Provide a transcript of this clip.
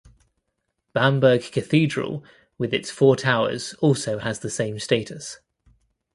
Bamberg Cathedral with its four towers also has the same status.